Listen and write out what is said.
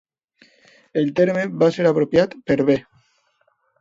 El terme va ser apropiat per B.